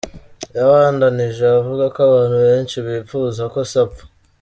Yabandanije avuga ko "abantu benshi" bipfuza ko se apfa.